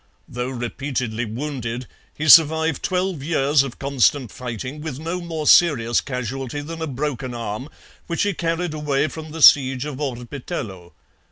Though repeatedly wounded, he survived twelve years of constant fighting with no more serious casualty than a broken arm which he carried away from the siege of Orbitello.